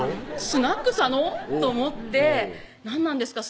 スナック佐の？と思って「何なんですか？